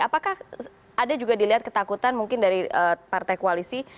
apakah ada juga dilihat ketakutan mungkin dari partai koalisi